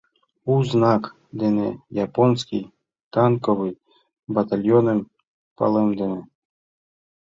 У знак дене японский танковый батальоным палемдыме.